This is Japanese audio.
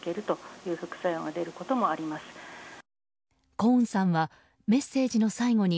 コーンさんはメッセージの最後に